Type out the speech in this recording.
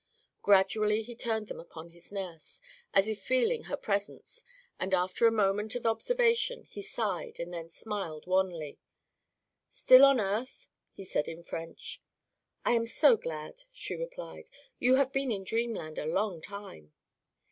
Gradually he turned them upon his nurse, as if feeling her presence, and after a moment of observation he sighed and then smiled wanly. "Still on earth?" he said in French. "I am so glad," she replied. "You have been in dreamland a long time."